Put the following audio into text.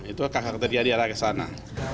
itu kakak kakak tadi ada di arah kesana